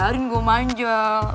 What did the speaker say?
ah biarin gue manja